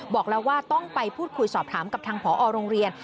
บอกแล้วว่าต้องไปพูดคุยสอบถามกับทางผอโรงเรียน